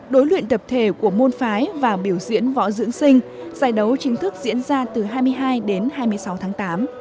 đối luyện tập thể của môn phái và biểu diễn võ dưỡng sinh giải đấu chính thức diễn ra từ hai mươi hai đến hai mươi sáu tháng tám